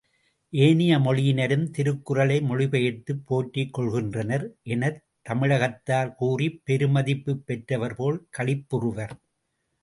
ஏனைய மொழியினரும் திருக்குறளை மொழிபெயர்த்துப் போற்றிக் கொள்கின்றனர் எனத் தமிழகத்தார் கூறிப் பெருமதிப்புப் பெற்றவர்போல் களிப்புறுவர்.